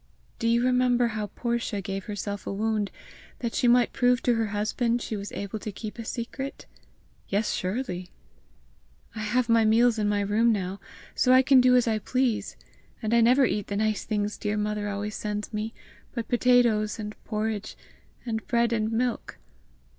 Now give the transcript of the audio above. "Do you remember how Portia gave herself a wound, that she might prove to her husband she was able to keep a secret?" "Yes, surely!" "I have my meals in my room now, so I can do as I please, and I never eat the nice things dear mother always sends me, but potatoes, and porridge, and bread and milk."